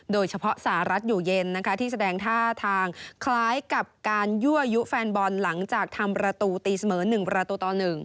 โดยเฉพาะสหรัฐอยู่เย็นนะคะที่แสดงท่าทางคล้ายกับการยั่วยุแฟนบอลหลังจากทำประตูตีเสมอ๑ประตูต่อ๑